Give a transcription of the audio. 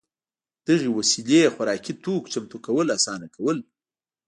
دغې وسیلې خوراکي توکو چمتو کول اسانه کول